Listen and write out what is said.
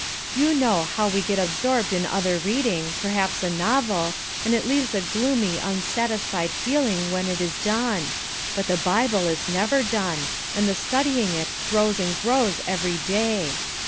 You know how we get absorbed in other reading, perhaps a novel, and it leaves a gloomy, unsatisfied feeling when it is done, but the Bible is never done, and the studying it grows and grows every day.